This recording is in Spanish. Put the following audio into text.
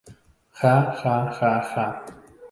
Ja ja ja ja!